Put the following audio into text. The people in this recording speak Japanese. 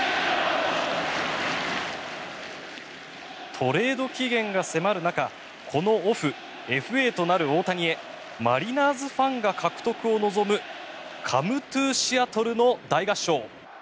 トレード期限が迫る中このオフＦＡとなる大谷へマリナーズファンが獲得を望む「ＣｏｍｅｔｏＳｅａｔｔｌｅ」の大合唱。